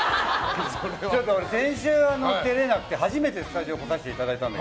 先週出れなくて初めてスタジオに出させていただいたので。